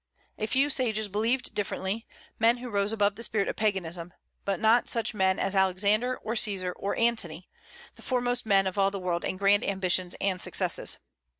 A few sages believed differently, men who rose above the spirit of Paganism, but not such men as Alexander, or Caesar, or Antony, the foremost men of all the world in grand ambitions and successes.